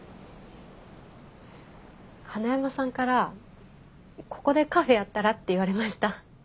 花山さんから「ここでカフェやったら？」って言われました。